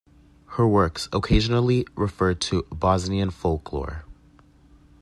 Her works occasionally refer to Bosnian folklore.